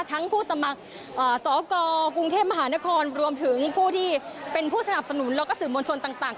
ผู้สมัครสกกรุงเทพมหานครรวมถึงผู้ที่เป็นผู้สนับสนุนแล้วก็สื่อมวลชนต่าง